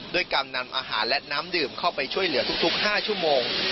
ด้วยการนำอาหารและน้ำดื่มเข้าไปช่วยเหลือทุก๕ชั่วโมง